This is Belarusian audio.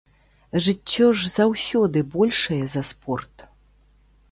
Жыццё ж заўсёды большае за спорт!